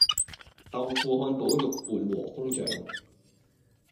豆腐漢堡肉伴和風醬